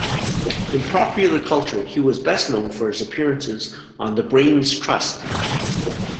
In popular culture he was best known for his appearances on The Brains Trust.